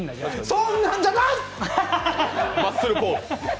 そんなんじゃない！